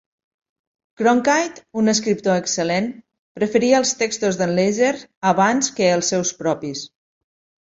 Cronkite, un escriptor excel·lent, preferia el textos de"n Leiser abans que els seus propis.